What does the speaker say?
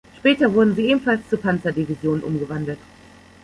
Später wurden sie ebenfalls zu Panzer-Divisionen umgewandelt.